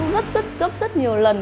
rất rất rất rất nhiều lần